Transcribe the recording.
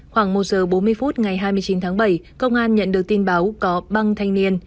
khoảng một giờ bốn mươi phút ngày hai mươi chín tháng bảy công an nhận được tin báo có băng thanh niên